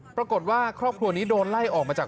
ปรากฏว่าครอบครัวนี้โดนไล่ออกมาจาก